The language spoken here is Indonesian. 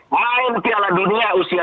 main piala dunia usia tujuh belas